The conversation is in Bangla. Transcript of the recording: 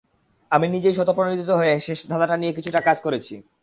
আমি নিজেই স্বতঃপ্রণোদিত হয়ে শেষ ধাঁধাটা নিয়ে কিছুটা কাজ করেছি।